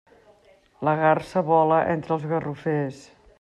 La garsa vola entre els garrofers.